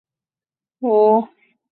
尚特兰讷人口变化图示